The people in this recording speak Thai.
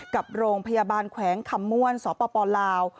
กับโรงพยาบาลแขวงคำม่วนสปลาว